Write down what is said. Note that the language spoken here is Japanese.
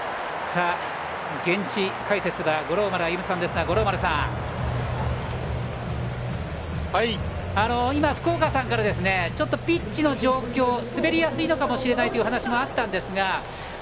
現地解説は五郎丸歩さんですが五郎丸さん、今、福岡さんからちょっとピッチの状況滑りやすいのかもしれないという話があったんですが。